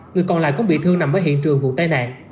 người còn lại cũng bị thương nằm ở hiện trường vụ tai nạn